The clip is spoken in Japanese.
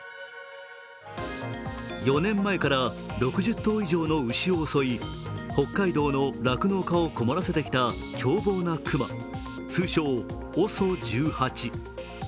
４年前から６０頭以上の牛を襲い北海道の酪農家を困らせてきた凶暴な熊、通称・ＯＳＯ１８。